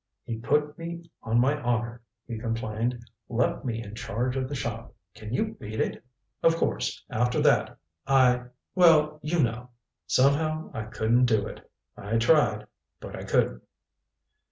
"He put me on my honor," he complained. "Left me in charge of the shop. Can you beat it? Of course after that, I well you know, somehow I couldn't do it. I tried, but I couldn't."